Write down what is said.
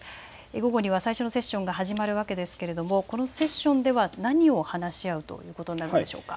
午後には最初のセッションが始まるわけですけれどもこのセッションでは何を話し合うということになるでしょうか。